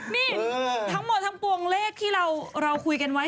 นี่ทั้งหมดทั้งปวงเลขที่เราคุยกันไว้